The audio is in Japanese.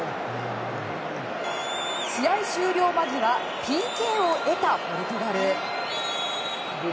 試合終了間際ＰＫを得たポルトガル。